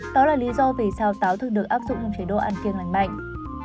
đó là lý do vì sao táo thường được áp dụng chế độ ăn kiêng lành mạnh